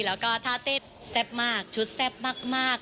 แล้วก็ท่าเต้นแซ่บมากชุดแซ่บมาก